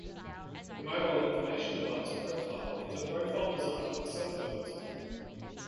The Mobile Information Device Profile is a profile designed for cell phones.